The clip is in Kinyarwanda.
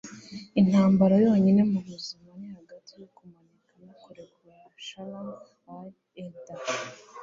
intambara yonyine mu buzima ni hagati yo kumanika no kurekura - shannon l alder